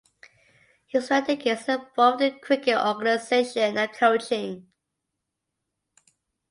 He spent decades involved in cricket organisation and coaching.